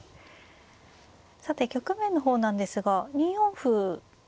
さて局面の方なんですが２四歩突きましたね。